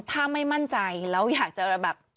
ถ้าไม่มั่นใจแล้วอยากจะแบบ